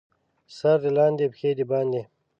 سر دې لاندې، پښې دې باندې.